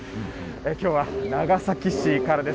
きょうは長崎市からです。